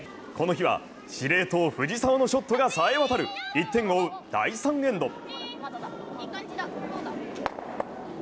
この日は司令塔・藤澤のショットがさえ渡る１点を追う、第３エンド。